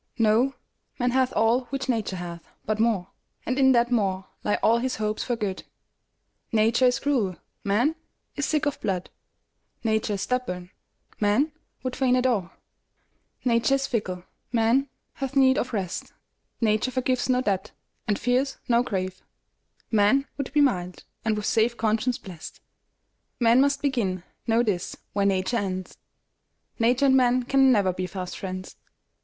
Know, man hath all which Nature hath, but more, And in that more lie all his hopes of good. Nature is cruel, man is sick of blood; Nature is stubborn, man would fain adore; Nature is fickle, man hath need of rest; Nature forgives no debt, and fears no grave; Man would be mild, and with safe conscience blest. Man must begin, know this, where Nature ends; Nature and man can never be fast friends.